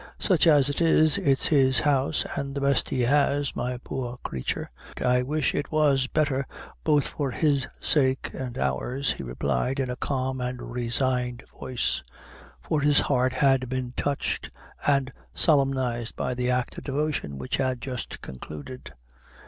"Sich as it is, it's his house, an' the best he has, my poor creature. I wish it was betther both for his sake and yours," he replied, in a calm and resigned voice, for his heart had been touched and solemnized by the act of devotion which had just concluded.